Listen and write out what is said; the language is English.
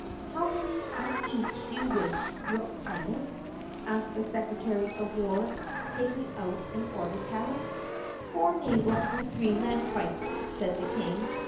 "How many of each do you wish, your Highness?" asked the secretary of war taking out an order pad. "Four naval and three land fights," said the King.